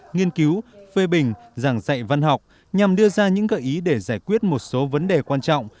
nghiên cứu phê bình giảng dạy văn học nhằm đưa ra những gợi ý để giải quyết một số vấn đề quan trọng